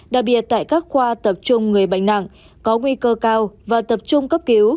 đặc biệt tại các khoa tập trung người bệnh nặng có nguy cơ cao và tập trung cấp cứu